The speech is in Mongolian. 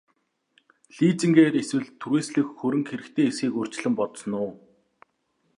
Лизингээр эсвэл түрээслэх хөрөнгө хэрэгтэй эсэхийг урьдчилан бодсон уу?